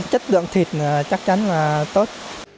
chất lượng thịt chắc chắn là tốt